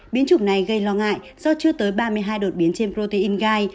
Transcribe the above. biến chủng này gây lo ngại do chưa tới ba mươi hai đột biến trên protein gai